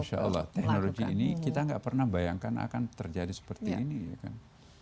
insya allah teknologi ini kita nggak pernah bayangkan akan terjadi seperti ini ya kan